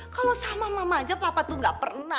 kalau sama mama aja papa tuh gak pernah